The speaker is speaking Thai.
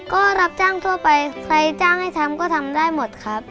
ก็รับจ้างทั่วไปใครจ้างให้ทำก็ทำได้หมดครับ